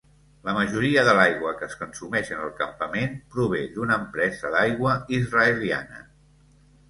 La majoria de l'aigua que es consumeix en el campament prové d'una empresa d'aigua israeliana.